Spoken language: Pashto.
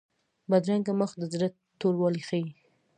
بدرنګه مخ د زړه توروالی ښيي